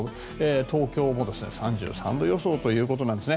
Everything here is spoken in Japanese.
東京も３３度予想ということなんですね。